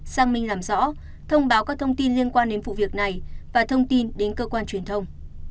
sang minh làm rõ thông báo các thông tin liên quan đến vụ việc này và thông tin đến cơ quan truyền thông